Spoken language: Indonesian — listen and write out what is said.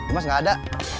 mas gak ada